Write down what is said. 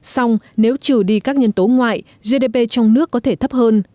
xong nếu trừ đi các nhân tố ngoại gdp trong nước có thể thấp hơn